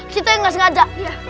kita yang gak sengaja